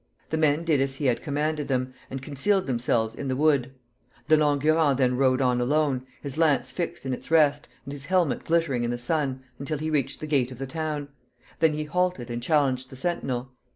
The men did as he had commanded them, and concealed themselves in the wood. De Langurant then rode on alone, his lance fixed in its rest, and his helmet glittering in the sun, until he reached the gate of the town. Then he halted and challenged the sentinel.